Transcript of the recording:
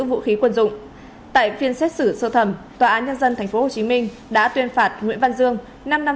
vũ khí quân dụng tại phiên xét xử sơ thẩm tòa án nhân dân tp hcm đã tuyên phạt nguyễn văn dương